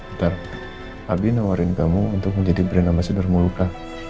ntar abi nawarin kamu untuk menjadi berenama sederhana luka